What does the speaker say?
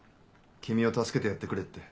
君を助けてやってくれって。